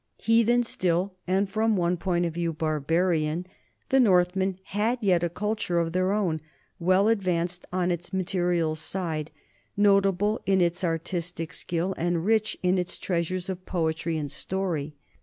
Heathen still and from one point of view barbarian, the Northmen had yet a culture of their own, well advanced on its material side, notable in its artistic skill, and rich in its treasures of poetry and story.